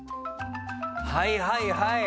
はいはいはい。